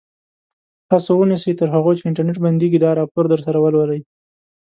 تاسو ونیسئ تر هغو چې انټرنټ بندېږي دا راپور درسره ولولئ.